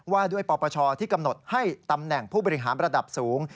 ว่าด้วยปปชที่กำหนดให้ตำแหน่งผู้บริหารระดับสูง